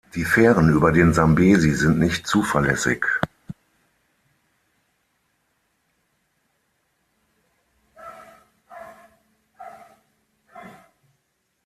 Die Fähren über den Sambesi sind nicht zuverlässig.